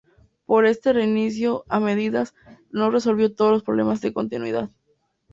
Pero este reinicio "a medias" no resolvió todos los problemas de continuidad.